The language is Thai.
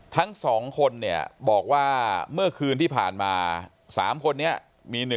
ทั้ง๒คนเนี่ยบอกว่าเมื่อคืนที่ผ่านมา๓คนนี้มี